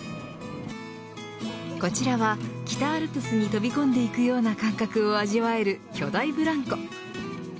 こちらは北アルプスに飛び込んでいくような感覚を味わえる巨大ブランコ。